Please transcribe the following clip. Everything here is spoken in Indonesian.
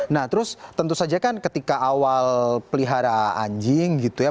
nah terus tentu saja kan ketika awal pelihara anjing gitu ya